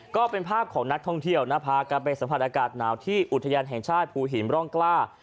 ก็เป็นภาพของนักท่องเที่ยวนะพากันไปสัมผัสอากาศหนาวที่อุทยานแห่งชาติภูหินร่องกล้า